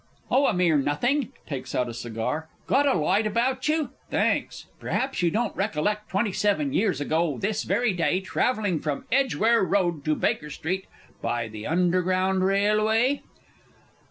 _ Oh, a mere nothing. (Takes out a cigar.) Got a light about you? Thanks. Perhaps you don't recollect twenty seven years ago this very day, travelling from Edgware Road to Baker Street, by the Underground Railway?